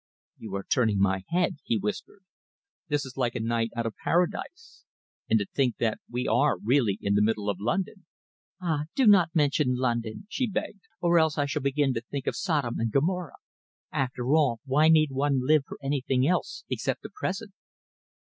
"You are turning my head," he whispered. "This is like a night out of Paradise. And to think that we are really in the middle of London!" "Ah! do not mention London," she begged, "or else I shall begin to think of Sodom and Gomorrah. After all, why need one live for anything else except the present?"